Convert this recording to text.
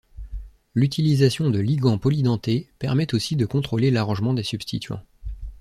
L'utilisation de ligands polydentés permet aussi de contrôler l'arrangement des substituants.